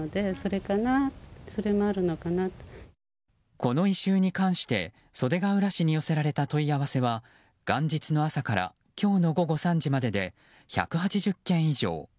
この異臭に関して袖ケ浦市に寄せられた問い合わせは、元日の朝から今日の午後３時までで１８０件以上。